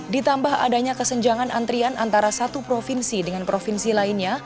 ditambah adanya kesenjangan antrian antara satu provinsi dengan provinsi lainnya